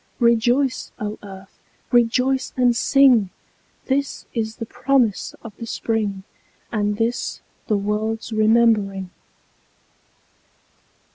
Rejoice, O Earth! Rejoice and sing! This is the promise of the Spring, And this the world's remembering.